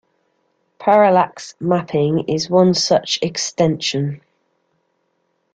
Parallax mapping is one such extension.